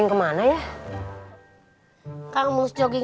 apa yang kamu lakukan